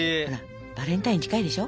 バレンタイン近いでしょ？